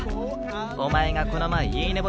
お前がこの前「いいね！」